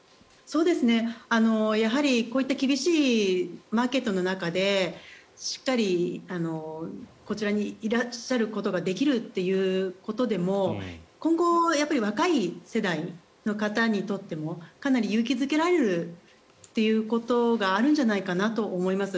やはり、こういった厳しいマーケットの中でしっかりこちらにいらっしゃることができるということでも今後、若い世代の方にとってもかなり勇気付けられるということがあるんじゃないかなと思います。